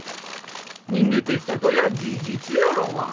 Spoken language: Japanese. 逃げてきたとや事実やろうが。